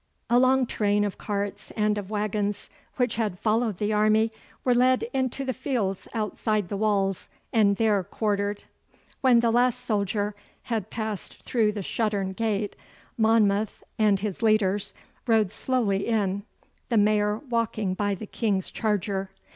A long train of carts and of waggons which had followed the army were led into the fields outside the walls and there quartered. When the last soldier had passed through the Shuttern Gate, Monmouth and his leaders rode slowly in, the Mayor walking by the King's charger.